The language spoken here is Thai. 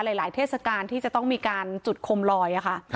หลายเทศกาลที่จะต้องมีการจุดคมลอยค่ะ